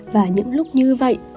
và những lúc như vậy rất là tốt